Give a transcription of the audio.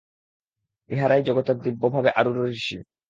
ইঁহারাই জগতের দিব্যভাবে আরূঢ় ঋষি।